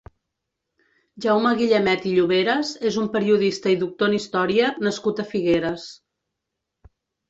Jaume Guillamet i Lloveras és un periodista i doctor en història nascut a Figueres.